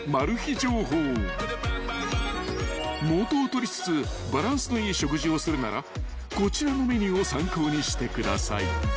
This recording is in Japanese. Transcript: ［元を取りつつバランスのいい食事をするならこちらのメニューを参考にしてください］